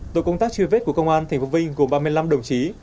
tổ công tác truy vết của công an thành phố vinh gồm ba mươi năm đồng chí